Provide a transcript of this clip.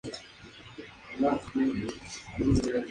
Roedores: Se hallan catorce especies de roedores en Madagascar.